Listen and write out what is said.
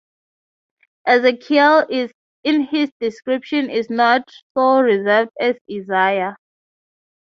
Ezekiel in his description is not so reserved as Isaiah.